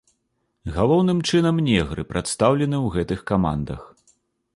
Галоўным чынам негры прадстаўлены ў гэтых камандах.